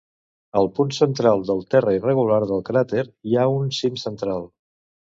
Al punt central del terra irregular del cràter hi ha un cim central.